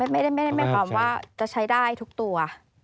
ไม่ได้หมายความว่าจะใช้ได้ทุกตัว